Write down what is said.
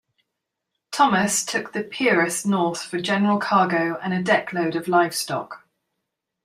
Thomas took the "Peeress" north for general cargo and a deckload of livestock.